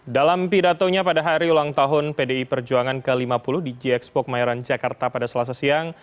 dalam pidatonya pada hari ulang tahun pdi perjuangan ke lima puluh di gxpok mayoran jakarta pada selasa siang